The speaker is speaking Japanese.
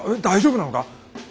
大丈夫なのか？